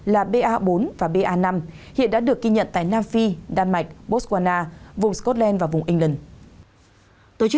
là ba bốn và ba năm hiện đã được ghi nhận tại nam phi đan mạch botswana vùng scotland và vùng england